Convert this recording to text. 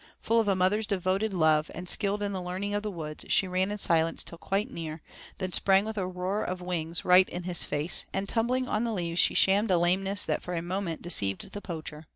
Full of a mother's devoted love, and skilled in the learning of the woods, she ran in silence till quite near, then sprang with a roar of wings right in his face, and tumbling on the leaves she shammed a lameness that for a moment deceived the poacher.